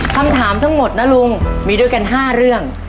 คำถามทั้งหมดนะลุงมีด้วยกัน๕เรื่อง